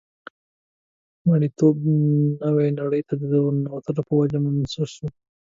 مرییتوب نوې نړۍ ته د ورننوتو په وجه منسوخ شو.